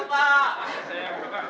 tahan dulu pak